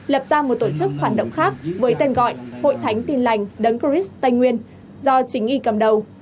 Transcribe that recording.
lập ra một tổ chức phản động khác với tên gọi hội thánh tin lành đấng christ tây nguyên do chính y cầm đầu